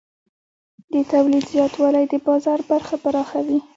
د تولید زیاتوالی د بازار برخه پراخوي.